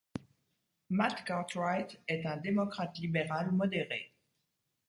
Matt Cartwright est un démocrate libéral modéré.